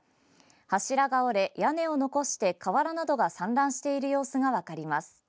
柱が折れ、屋根を残して瓦などが散乱している様子が分かります。